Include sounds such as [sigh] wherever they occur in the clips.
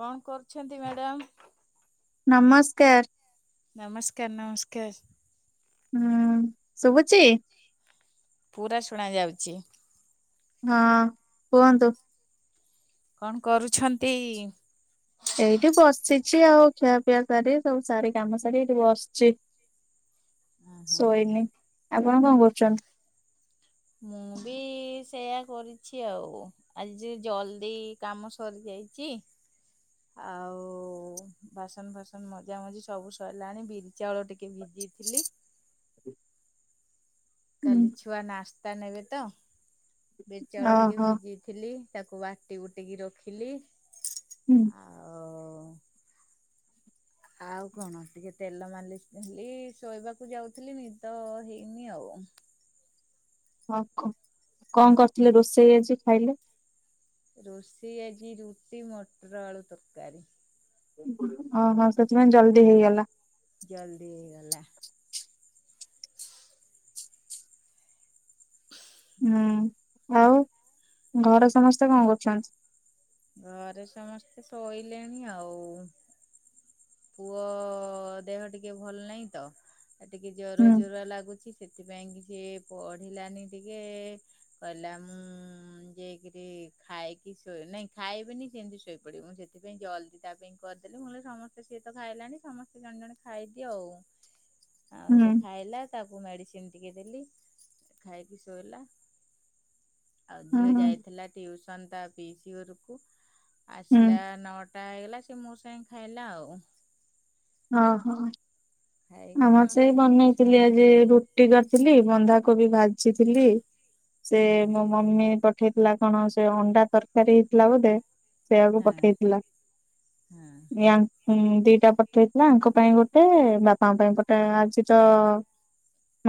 କଁ କରୁଛନ୍ତି ମ୍ୟାଡାମ? ନମସ୍କାର। ନମସ୍କାର ନମସ୍କାର। ହଁ ଶୁଭୁଚି? ପୁରା ଶୁଣା ଯାଉଚି। ହଁ କୁହନ୍ତୁ? କଣ କରୁଛନ୍ତି? ଏଇଠି ବସିଚି ଆଉ ଖିଆପିଆ ସାରି ସବୁ ସାରି କାମ ସାରି ଏଇଠି ବସଚି। ଶୋଇନି ଆପଣ କଣ କରୁଛନ୍ତି? ମୁଁ ବି ସେଇଆ କରିଛି ଆଉ, ଆଜି ଜଲଦି କାମ ସରିଯାଇ ଚି। ଆଉ ବାସନ ଫାସନ ମଜା ମଜି ସବୁ ସରିଲାଣି ବିରି ଚାଉଳ ଟି କେ ଭିଜେଇ ଥିଲି। ହୁଁ କାଲି ଛୁଆ ନାସ୍ତା ନେବେ ତ, ବିରି ଚାଉଳ ଟିକେ ଓହୋ ଭିଜେଇ ଥିଲି। ତାକୁ ବାଟି ବୁଟିକି ରଖିଲି। ହୁଁ ଆଉ ଆଉ କଣ ଟିକେ ତେଲ ମାଲିିସ କଲି, ଶୋଇବାକୁ ଯାଉଥିଲି ନିଦ ହେଇନି ଆଉ। [inaudible] ହଁ କ କଣ କରୁଥିଲେ ରୋଷେଇ ଆଜି ଖାଇଲେ? ରୋଷଇ ଆଜି ରୁଟି, ମଟର ଆଳୁ ତରକାରୀ। ଉ ହୁଁ ଓହୋ ସେଥିପାଇଁ ଜଲଦି ହେଇଗଲା। ଜଲଦି ହେଇଗଲା। ହୁଁ ଆଉ ଘରେ ସମସ୍ତେ କଣ କରୁଛନ୍ତି? ଘରେ ସମସ୍ତେ ଶୋଇଲେଣି ଆଉ। ପୁଅ ଦେହ ଟିକେ ଭଲ ନାହିଁ ତ। ଟିକେ ଜରୁଆ ହୁଁ ଜରୁଆ ଲାଗୁଛି ସେଥିପାଇଁ କି ଏ ପଢିଲାନି ଟିକେ କହିଲା ମୁଁ ଯାଇକିରି ଖାଇ କି ଶୁଏ ନାଇଁ ଖାଇବେନି କେମିତି ଶୋଇପଡିବ ମୁଁ ସେଥିପାଇଁ ଜଲଦି ତା ପାଇଁ କରିଦେଲି ମୁଁ କହିଲି ସମସ୍ତେ ସିଏ ତ ଖାଇଲାଣି ସମସ୍ତେ ଜଣ ଜଣେ ଖାଇଦିଅ ଆଉ, ଆଉ ହୁଁ ସେ ଖାଇଲା ତାକୁ ମେଡିସିନ ଟିକେ ଦେଲି ଖାଇକି ଶୋଇଲା। ଆଉ ଝିଅ ହୁଁ ଯାଇଥିଲା ଟିଉସନ ତା ପିଇସୀ ଘରୁକୁ, ହୁଁ। ଆସିଲା ନଅ ଟା ହେଇଗଲା ସେ ମୋ ସାଙ୍ଗେ ଖାଇଲା ଆଉ। ଓହୋ ଖାଇକି ଆମର ସମସ୍ତେ ସେଇ ବନେଇଥିଲି ଛୁଆମାନେ ଆଜି ଶୁଣି ରୁଟି କରିଥିଲି ବନ୍ଧା କୋବି ଭାଜିଥିଲି ସେ ହୁଁ ମୋ ମମି ପ ପଠେଇଥିଲା କଣ ସେ ଅଣ୍ଡା ତରକାରୀ ହେଇଥିଲା ବୋଧେ। ସେୟାକୁ ହଁ ପଠେଇଥିଲା ହଁ ଦିଟା ପଠେଇଥିଲା ୟାଙ୍କ ପାଇଁ ଗୋଟେ ବାପାଙ୍କ ପାଇଁ ଗୋଟେ ଆଜିତ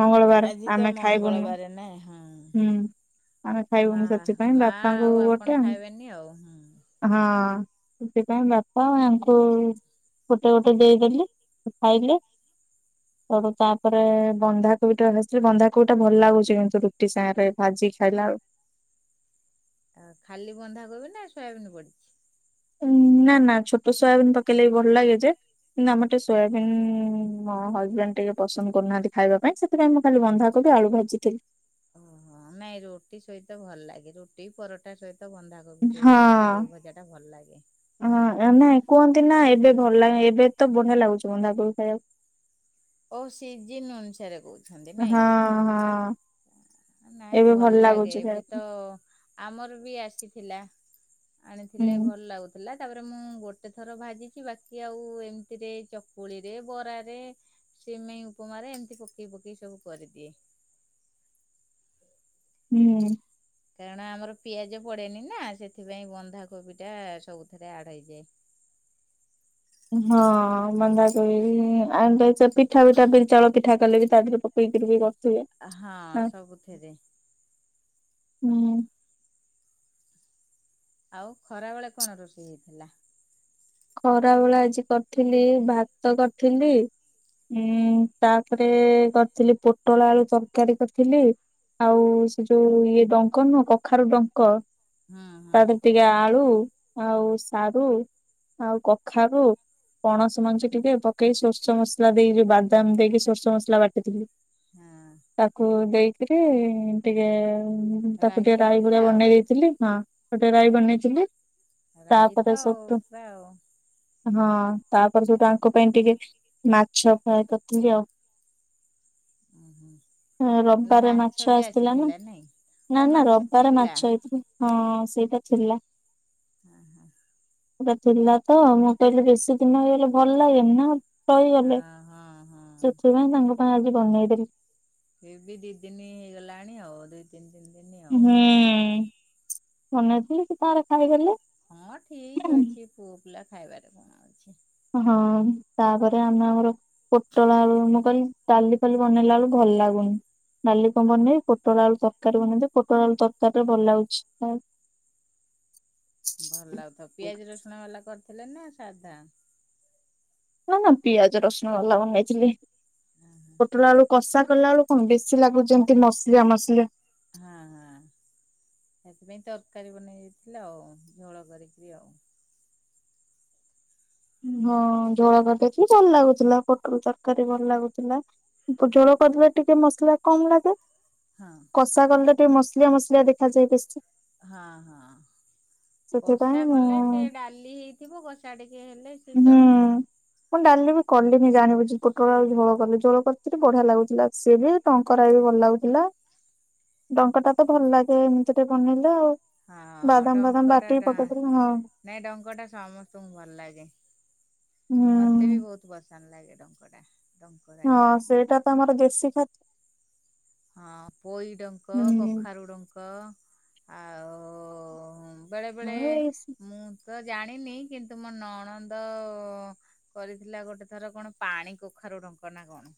ମଙ୍ଗଳବାର ଆଜି ତ ଆମେ ଖାଇବୁନୁ ମଙ୍ଗଳବାର ନା ହଁ ହୁଁ। ଆମେ ମା ଖାଇବୁନୁ ସେଥିପାଇଁ ମା ବାପାଙ୍କୁ ଆଉ ଆପଣ ଗୋଟେ ହଁ। ଖାଇବେନି ଆଉ ହୁଁ ସେଥିପାଇଁ ବାପା ଆଙ୍କୁ ଗୋଟେ ଗୋଟେ ଦେଇଦେଲି ଖାଇଲେ। [inaudible] ତାପରେ ବନ୍ଧା କୋବିଟା ଭାଜି ଥିଲି ବନ୍ଧା କୋବି ଟା ଭଲ ଲାଗୁଛି କିନ୍ତୁ ରୁଟି ସାଙ୍ଗରେ ଭାଜି ଖାଇ ହେଲା ଆଉ। ଆଉ ଖାଲି ବନ୍ଧା କୋବି ନା ଶୋୟାବିନ ପଡିଛି। ଉଁ ନା ନା ଛୋଟ ସୋୟାବିନ ପକେଇଲେ ବି ଭଲ ଲାଗେ ଯେ କିନ୍ତୁ ଆମର ଟିକେ ସୋୟାବିନ୍ ମୋ ହଜବେଣ୍ଡ ଟିକେ ପସନ୍ଦ କରୁନାହାନ୍ତି ଖାଇବା ପାଇଁ ସେଥିପାଇଁ ମୁଁ ଖାଲି ବନ୍ଧାକୋବି ତ ଆଳୁ ଭାଜିଥିଲି। ଓହୋ ନାଇଁ ରୁଟି ସହିତ ଭଲ ଲାଗେ ରୁଟି ପରଟା ସହିତ। ତ ବନ୍ଧାକୋବି ବନ୍ଧାକୋବି ହଁ ଭଜାଟା ଭଲ ଲାଗେ। ହଁ ନାଇଁ କୁହନ୍ତି ନା ଏବେ ଭଲ ଲା ଏବେ ତ ବଢିଆ ଲାଗୁଛି ବନ୍ଧାକୋବି ଖାଇବାକୁ। ଓ ସିଜିନ ଅନୁସାରେ କହୁଛନ୍ତି ହଁ ନାଇଁ। ହଁ ନାଇଁ ଏବେ ଭଲ ଲାଗେ ଲାଗୁଛି ଖାଇବାକୁ ଏବେତ ଆମର ବି ଆସିଥିଲା। ଆଣିଥିଲେ ହୁଁ ଭଲ ଲାଗୁଥିଲା। ତାପରେ ମୁଁ ଗୋଟେ ଥର ଭାଜିଛି ବାକି ଆଉ ଏମିତିରେ ଚକୁଳିରେ ବରାରେ ସିମେଇ ଉପମାରେ ଏମିତି ପକେଇ ପକେଇ ସବୁ କରିଦିଏ। [inaudible] ହୁଁ। କାରଣ ଆମର ପିଆଜ ପଡେନି ନା ସେଥିପାଇଁ ବନ୍ଧାକୋବି ଟା ସବୁଥିରେ ଆଡ ହେଇଯାଏ। [inaudible] ହଁ ବନ୍ଧାକୋବି ଆ ପିଠା ପିଠା ବିରି ଚାଉଳ ପିଠା କଲେ ବି ତା ଦେହରେ ପକେଇ [unintelligible] ଆ ହଁ ସବୁଥିରେ। ହୁଁ। ଆଉ ଖରାବେଳେ କଣ ରୋସେଇ ହେଇଥିଲା? ଖରାବେଳେ ଆଜି କରିଥିଲି ଭାତ କରିଥିଲି। ଉଁ ତାପରେ କରିଥିଲି ପୋଟଳ ଆଳୁ ତରକାରୀ କରିଥିଲି। ଆଉ ସେ ଯୋଉ ଇଏ ଡଙ୍କ ନୁହଁ କଖାରୁ ଡଙ୍କ। ହୁଁ ହୁଁ ପଡି ଟିକେ ଆଳୁ ଆଉ ସାରୁ ଆଉ କଖାରୁୁ ପଣସ ମଞ୍ଜି ଟିକେ ପକେଇ ସୋରିଷ ମସଲା ଦେଇ ବାଦାମ ଦେଇକି ସୋରିଷ ମସଲା ବାଟିଥିଲି। ହଁ ତାକୁ ଦେଇକିରି ଟିକେ ତାକୁ ରାହି ଟିକେ ରାଇ ହେଇଥିଲା ଭଳିଆ ବନେଇ ଆଉ ଦେଇେଇଥିଲି ହଁ ଗୋଟେ ରାଇ ବନେଇଥିଲି। ରାଇ ତାପରେ ତ ଆଉ ସେଠୁ ପୁରା ଆଉ। ହଁ ତାପରେ ଯୋଉଟା ଆଙ୍କ ପାଇଁ ଟିକେ ମାଛ ଫ୍ରାଏ କରିଥିଲି ଆଉ। ଉଁ ହୁଁ। ହେଲେ ରବିବାର ମାଛ ବି ଆସିଥିଲା ନା ନାଇଁ ନା ଓ ନା ମାଛ ରବିବାର ଥିଲା ମାଛ ହେଇଥିଲା। ହଁ ସେଇଟା ଥିଲା। ଆଁ ହାଁ। ସେଟା ଥିଲା ତ ମୁଁ କହିଲି ବେଶୀ ଦିନ ହେଇଗଲେ ଭଲ ଲାଗେନି ନା। ରହିଗଲେ ହଁ ହଁ। ହଁ। ସେଥିପାଇଁ ତାଙ୍କ ପାଇଁ ଆଜି ବନେଇଦେଲି। ଇଏ ବି ଦିନି ହେଇଗଲାଣି ଆଉ ଦୁଇ ତିନି ଦିନି। ତିନି ଆଉ। ହୁଁ ବନେଇଥିଲି ସିଏ ତାଙ୍କର ଖାଇଦେଲେ। ହଁ ଠିକ ଅଛି ପୁଅ ପିଲା ଖାଇବାରେ କଣ ଅଛି। ହଁ ତାପରେ ଆମେ ଆମର ପୋଟଳ ଆଳୁ ମୁଁ କହିଲି ଡାଲି ଫାଲି ବନେଇଲା ବେଳୁ ଭଲ ଭଲ ଲାଗୁନି। ଡାଲି କଣ ବନେଇବି ପୋଟଳ ଆଳୁ ତରକାରୀ ବନେଇ ଦେବି ପୋଟଳ ଆଳୁ ତରକାରୀ ରେ ଭଲ ଲାଗୁଛି ଖାଇଆକୁ। [inaudible] ଭଲ ଲାଗୁଥବ ପିଆଜ ରସୁଣ ବାଲା କରିଥିଲେ ନା ସାଧା? ନା ନା ପିଆଜ ରସୁଣ ବାଲା ବନେଇଥିଲି। ହଁ ପୋଟଳ ଆଳୁ କଷା କଲା ଆଳୁ କଣ ବେଶୀ ଲାଗୁଛି ଏମିତି ମସଲିଆ ମସଲିଆ। [inaudible] ହଁ ହଁ। ସେଥିପାଇଁ ତରକାରୀ ବନେଇ ଦେଇଥିଲି ଆଉ ଝୋଳ କରିକି ଆଉ। ହଁ ଝୋଳ କରିଦେଇଥିଲି ଭଲ ଲାଗୁଥିଲା ପୋଟଳ ତରକାରୀ ଭଲ ଲାଗୁଥିଲା ଝୋଳ କରି ଟିକେ ମସଲା କମ୍ ଲାଗେ ହଁ କଷା କଲେ ଟିକେ ମସଲିଆ ମସଲିଆ ଦେଖାଯାଏ ବେଶୀ। ହଁ ହଁ ସେଥିପାଇଁ କଷା ମୁଁ କଲେ ସିଏ ଡାଲି ହେଇଥିବ କଷା ଟିକେ ହେଲେ ସେ ହୁଁ ଚଳିବ। ମୁଁ ଡାଲି ବି କଲିନି ଜାଣି ପୋଟଳ ଆଉ ଝୋ କଲି ଝୋଳ କରିଥିଲି ବଢିଆ ଲାଗୁଥିଲା ସିଏ ବି ଟଙ୍କା ଭଲଲାଗୁଥିଲା ଡଙ୍କା ଟା ତ ଭଲ ଲାଗେ ଏମିତି ଟେ ବନେଇଲେ ଆଉ ହଁ ବାଦାମ ଫାଦାମ ଡଙ୍କ ବାଟିକି ଟା ପକେଇଦେଲେ ହଁ। ନାଇଁ ଡଙ୍କ ଟା ସମସ୍ତଙ୍କୁ ଭଲ ଲାଗେ। ହୁଁ ମତେ ବି ବହୁତ ପସନ୍ଦ ଲାଗେ। ଡଙ୍କ ଟା। ଡଙ୍କ ହଁ ରାହି ସେଇଟା ତ ଆମର ଦେଶୀ ଖାଦ୍ୟ। ହଁ ପୋଇ ଡଙ୍କ ହୁଁ କଖାରୁ ଡଙ୍କ। ଆଉ ବେଳେ ବେଳେ ହଁ ଏଇ ମୁଁ ତ ଜାଣିନି କିନ୍ତୁ ମୋ ନଣନ୍ଦ କରିଥିଲା ଗୋଟେ ଥର କଣ ପାଣି କଖା କଖାରୁ ଡଙ୍କ ନା କଣ?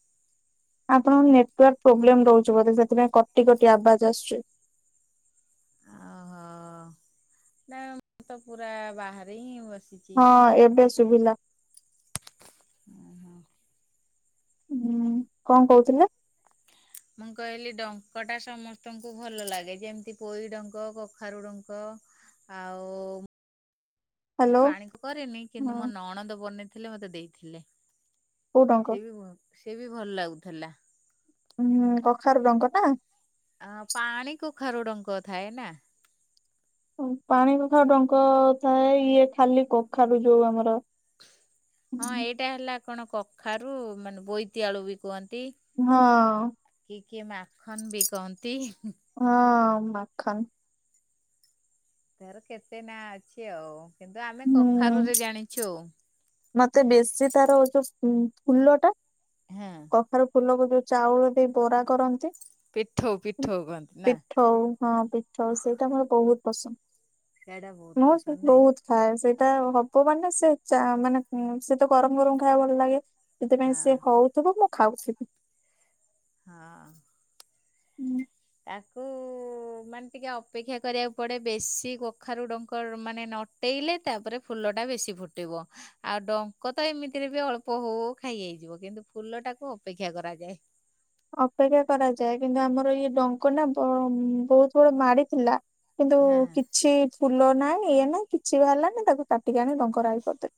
ଆପଣଙ୍କ ନେଟୱାର୍କ ପ୍ରୋବ୍ଲେମ ରହୁଛି ବୋଧେ ସେଥିପାଇଁ କୋଟି କୋଟି ଆବାଜ ଆସୁଛି। ହ ନା ମୁଁ ତ ପୁରା ବାହାରି ହିଁ ବସିଛି ହଁ ଏବେ ଶୁଭିଲା। ଓହୋ। ହୁଁ କଣ କହୁଥିଲେ? ମୁଁ କହିଲି ଡଙ୍କ ଟା ସମସ୍ତଙ୍କୁ ଭଲ ଲାଗେ ଯେମିତି ପୋଇ ଡଙ୍କ କଖାରୁ ଡଙ୍କ। ଆଉ ହ୍ୟାଲୋ ପାଣିକୁ କରିରେନି କିନ୍ତୁ ମୋ ହଁ ନଣଦ ବନେଇଥିଲେ ମୋତେ ଦେଇଥିଲେ। କୋଉ ଡଙ୍କ ସେ ବି ସେ ବି ଭଲ ଲାଗୁଥିଲା। ହୁଁ କଖାରୁ ରଙ୍ଗ ଟା। ଅ ପାଣି କ ଖର ରଙ୍କ ଥାଏ ନା। ପାଣି କଥା ଡଙ୍କ ଥାଏ ଇଏ ଖାଲି କଖାରୁ ଯୋଉ ଆମର ହଁ ଏଇଟା ହେଲା କଣ କଖାରୁ ମାନେ ବୋଇତିଆଳୁ ବି କୁହନ୍ତି। ହଁ କିଏ କିଏ ମାଖନ ବି କହନ୍ତି। ହଁ ମାଖନ। ତାର କେତେ ନାଁ ଅଛି ଆଉ କିନ୍ତୁ ଆମେ ହୁଁ କଖାରୁରେ ଜାଣିଛୁ ଆଉ। ମତେ ବେଶୀ ତାର ଯବ ଫୁଲ ଟା ହଁ କଖାରୁ ଫୁଲକୁ ଯୋଉ ଚାଉଳ ବି ବରା କରନ୍ତି। ପିଠଉ ପିଠଉ କହନ୍ତି ନା ପିଠା ହଁ ପିଠା ସେଇଟା ମୋର ବହୁତ ପସନ୍ଦ। ସେଇଟା ବହୁତ ମୁଁ ସେ ପସନ୍ଦ ନାଇଁ ବହୁତ ଖାଏ ସେଇଟା ହବ ମାନେ ସେ ମାନେ ହୁଁ ସେ ତ ଗରମ ଗରମ ଖାଇବା ଭଲ ଲାଗେ ସେଥିପାଇଁ ହଁ ସିଏ ହଉଥିବ ମୁଁ ଖାଉଥିବି। ହଁ। ହୁଁ। ତାକୁ ମାନେ ଟିକେ ଅପେକ୍ଷା କରିବାକୁ ପଡେ ବେଶୀ କଖାରୁ ଡଙ୍କର ମାନେ ଅଟେଇଲେ ତାପରେ ଫୁଲ ଟା ବେଶି ଫୁଟିବ ଆଉ ଡଙ୍କ ତ ଏମିତିରେ ବି ଅଳ୍ପ ହଉ ଖାଇ। ହେଇଯିବ କିନ୍ତୁ ଫୁଲ ଟାକୁ ଅପେକ୍ଷା କରାଯାଏ। ଅପେକ୍ଷା କରାଯାଏ କିନ୍ତୁ ଆମର ଇଏ ଡଙ୍କ ନା ବହୁତ ବଡ ମାଡି ଥିଲା। କିନ୍ତୁ ହଁ କିଛି ଫୁଲ ନାହିଁ ଇଏ ନା। କିଛି ବାହାରିଲାନି ତାକୁ କାଟିକି ଆଣି ଡଙ୍କ ରାଇ କରଦେଲି।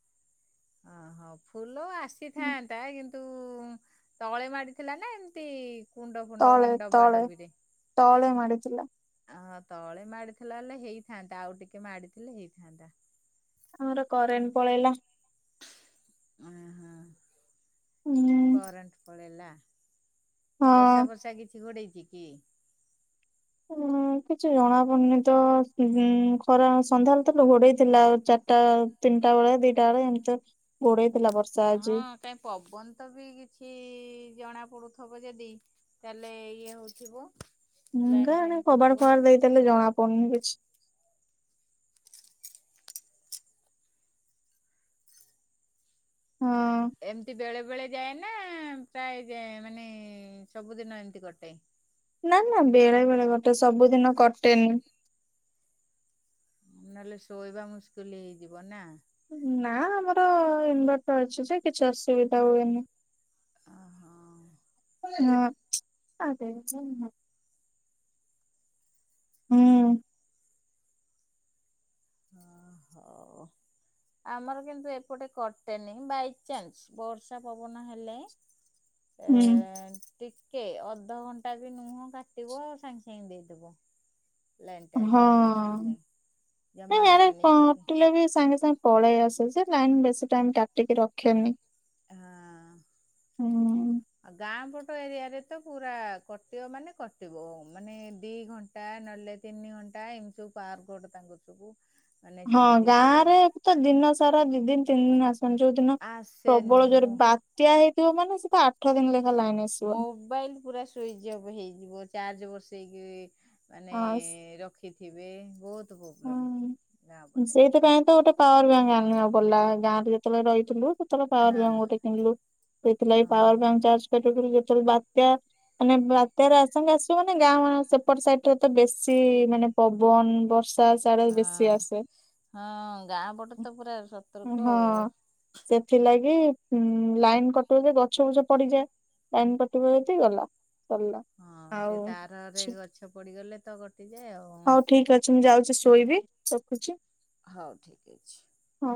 ଅହୋ ଫୁଲ ଆସିଥାନ୍ତା କିନ୍ତୁ ତୁ ତଳେ ମାଡିଥିଲା ନା ଏମିତି କୁଣ୍ଡ ଫୁଣ୍ଡ ତଳେ ମାନେ ଡବା ତଳେ ଡବିରେ? ତଳେ ମାଡିଥିଲା। ଅ ତଳେ ମାଡ଼ିଥିଲା ହେଲେ ହେଇଥାନ୍ତା ଆଉ ଟିକେ ମାଡ଼ିଥିଲେ ହେଇଥାନ୍ତା। ଆମର କରେଣ୍ଟ ପଳେଇଲା ଉଁ ହୁଁ ହୁଁ କରେଣ୍ଟ ପଳେଇଲା ହଁ। ବର୍ଷା ବର୍ଷା କିଛି ଘୋଡେଇଚି କି? ହୁଁ। ଇଁ କିଛି ଜଣାପଡୁନି ତ ଉଁ ଖରା ସନ୍ଧ୍ୟାଳେ ତ ଘୋଡେଇ ଥିଲା ଆଉ ଚାରିଟା ତି ନି ଟା ବେଳେ ଦିଟା ବେଳେ ଏମତି ଘୋ ହଁ କାଇଁ ପବନ ତ ବି କିଛି ଜଣା ପଡୁଥିବ ଯଦି ତାହେଲେ ଇଏ ହଉଥିବ ହୁଁ ଲାଇନ ଗାଁ ଆଡେ ଫାଇନ୍ ଖବାଟ କାଟିବ। ଫବାଟ ଦେଇଦେଲେ ଜଣା ପଡୁନି କିଛି। ହଁ ଏମତି ବେଳେବେେଳେ ଯାଏ ନା ପ୍ରାୟ ଯାଏ ମାନେ ସବୁଦିନ ଏମତି କଟେ? ନା ନା ବେଳେ ବେଳେ କଟେ ସବୁଦିନ କଟେନି। ନହେଲେ ଶୋଇବା ମୁସ୍କିଲ ହେଇଯିବ ନା। ନା ଆମର ଇନଭର୍ଟର ଅଛି ଯେ କିଛି ଅସୁବିଧା ହୁଏନି। ଅହ। [unintelligible] ହୁଁ। ହଉ ଆମର କିନ୍ତୁ ଏପଟେ କଟେନି ବାଇଚାନ୍ସ ବର୍ଷା ପବନ ହେଲେ ଏ ହୁଁ। ଟିକେ ଅଧଘଣ୍ଟା ବି ନୁହଁ କାଟିବ ସାଙ୍ଗେ ସାଙ୍ଗେ ଦେଇଦବ। ଲାଇନଟା ଆସିଯିବ ସାଙ୍ଗେ ହଁ। ସାଙ୍ଗେ। ଜମା ନାଇଁ ଆଡେ କାଟେନି ଯେହେତୁ କଟିଲେ ବି ସାଙ୍ଗେ ସାଙ୍ଗେ ପଳେଇ ଆସେ ସେ ଲାଇନ ବେଶୀ ଟାଇମ କାଟିକି ରଖେନି। ହଁ ହୁଁ। ଆ ଗାଁ ପ ଙ୍କ ଏରିଆରେ ତ ପୁରା କଟିବ ମାନେ କଟିବ ମାନେ ଦି ଘଣ୍ଟା ନହେଲେ ତିନି ଘ ଟାଇମ ସବୁ ପାୱାର କଟ ତାଙ୍କର ସବୁ ମାନେ ହଁ ସେମିତି ହୁଏ ଗାଁ ରେ ତ ଦିନ ସାରା ଦି ଦିନ ତିନି ଦିନ ଆସ ଯୋଉ ଦିନ ଆସେନି ପ୍ରବଳ ଯୋରେ ମୁଁ ବାତ୍ୟା ହେଇଥିବ ମାନେ ସେତ ଆଠଦିନ ଲେଖ ମୋବାଇଲ ପୁରା ସୁଇଚ୍ଅଫ ହେଇଯିବ ଚାର୍ଜ ବସେଇକିରି ମାନେ ହଁ ସ- ରଖିଥିବେ ବହୁତ ବୋ ହଁ ସେଇଥିପାଇଁ ତ ଗୋଟେ ପାୱାର ବ୍ୟାଙ୍କ ଆଣିବାକୁ ପଡଲା ଗାଁ ରେ ଯେତେବେଳେ ରହିଥିଲୁ ଯେତେବେଳେ ପାୱାର ହଁ ବ୍ୟାଙ୍କ ଗୋଟେ କିଣିଲୁ ସେଥିଲାଗି ପାୱାର ଓହୋ ବ୍ୟାଙ୍କ ଚାର୍ଜ କରିବୁବୋଲି ଯେତେବେଳେ ବାତ୍ୟା ମାନେ ବାତ୍ୟାରେ ଆସଙ୍ଗେ ଆସିବ ମାନେ ଗାଁ ମାନେ ସେପଟ ସାଇଟ ରେ ତ ବେଶି ମାନେ ପବନ ବର୍ଷା ସାଡେ ବେଶୀ ହଁ ଆସେ। ହଁ ଗାଁ ପଟେ ତ ପୁରା ସତର୍କ ଆଉ ହଁ ସେଥିଲାଗି ଉଁ ଲାଇନ କଟିବ ଯେ ଗଛ ଗୁଛ ପଡିଯାଏ ଲାଇନ କଟିବ ଯଦି ଗଲା। ସରିଲା। ହଁ ଆଉ ସେ ତାରରେ ଗଛ ପଡିଗଲେ ତ କଟିଯାଏ। ଆଉ ହଉ ଠିକ ଅଛି ମୁଁ ଯାଉଚି ଶୋଇବି ରଖୁଚି। ହଉ ଠିକ ଅଛି। ହ।